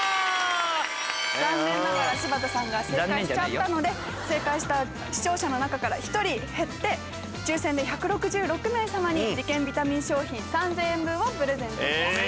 残念ながら柴田さんが正解しちゃったので正解した視聴者の中から１人減って抽選で１６６名様に理研ビタミン商品３０００円分をプレゼント致します。